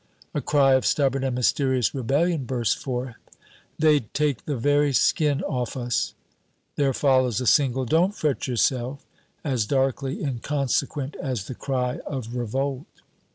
A cry of stubborn and mysterious rebellion bursts forth "They'd take the very skin off us!" There follows a single, "Don't fret yourself!" as darkly inconsequent as the cry of revolt.